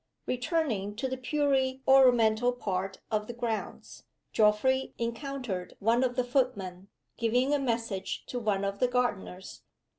Returning to the purely ornamental part of the grounds, Geoffrey encountered one of the footmen giving a message to one of the gardeners.